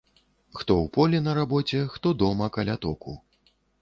Хто ў полі на рабоце, хто дома каля току.